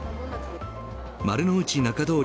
丸の内仲通り